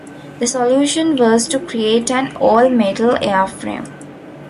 The solution was to create an all-metal airframe.